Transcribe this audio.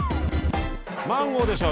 マンゴーでしょ